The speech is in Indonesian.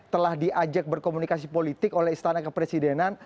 telah diajak berkomunikasi politik oleh istana kepresidenan